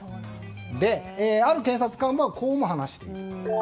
ある検察幹部はこうも話している。